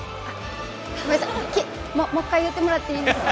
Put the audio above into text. ごめんなさいもう一回言ってもらっていいですか？